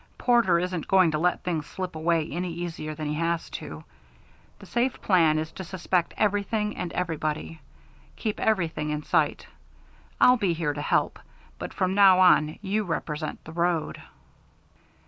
"Porter isn't going to let things slip away any easier than he has to. The safe plan is to suspect everything and everybody. Keep everything in sight. I'll be here to help, but from now on you represent the road."